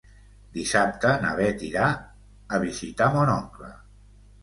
Dissabte na Bet irà a visitar mon oncle.